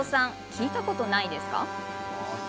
聞いたことないですか？